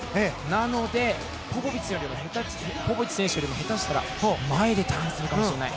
なので、ポポビッチ選手よりも下手したら前でターンするかもしれない。